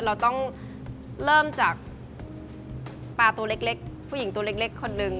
เราต้องเริ่มจากปลาตัวเล็กผู้หญิงตัวเล็กคนหนึ่ง